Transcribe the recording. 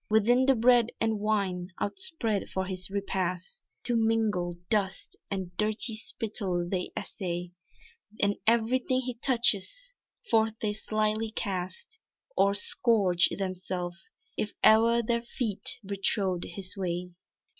Within the bread and wine outspread for his repast To mingle dust and dirty spittle they essay, And everything he touches, forth they slyly cast, Or scourge themselves, if e'er their feet betrod his way.